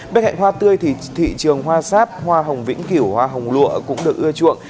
bên cạnh hoa tươi thì thị trường hoa sáp hoa hồng vĩnh kiểu hoa hồng lụa cũng được ưa chuộng